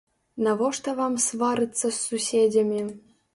Навошта вам сварыцца з суседзямі.